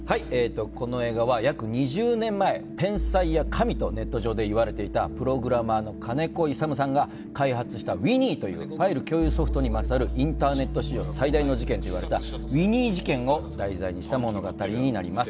この映画は約２０年前天才や神とネット上でいわれていたプログラマーの金子勇さんが開発したＷｉｎｎｙというファイル共有ソフトにまつわるインターネット市場最大の事件といわれたＷｉｎｎｙ事件を題材にした物語です。